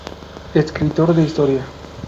Escritor de Historia.